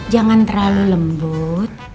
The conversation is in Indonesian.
jangan terlalu lembut